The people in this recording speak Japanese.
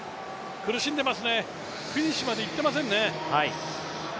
苦しんでますね、フィニッシュまでいってませんね。